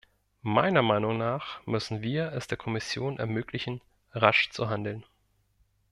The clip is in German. Meiner Meinung nach müssen wir es der Kommission ermöglichen, rasch zu handeln.